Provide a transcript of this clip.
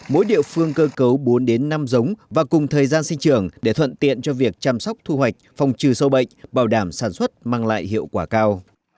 mỗi địa phương cơ cấu bốn năm giống và cùng thời gian sinh trường để thuận tiện cho việc chăm sóc thu hoạch phòng trừ sâu bệnh bảo đảm sản xuất mang lại hiệu quả cao